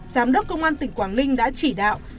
giám đốc công an tỉnh quảng ninh đã chỉ đạo